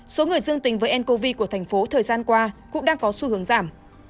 số người dương tính với ncov của thành phố thời gian qua cũng đang có xu hướng giảm